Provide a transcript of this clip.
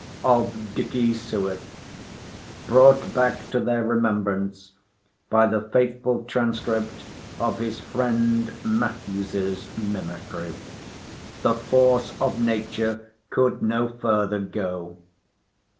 of Dicky Suett, brought back to their remembrance by the faithful transcript of his friend Mathews's mimicry. The "force of nature could no further go."